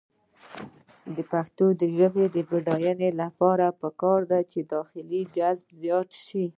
د پښتو ژبې د بډاینې لپاره پکار ده چې داخلي جذب زیات شي.